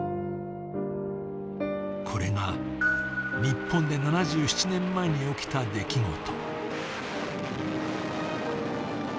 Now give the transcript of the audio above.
これが日本での７７年前に起きた出来事。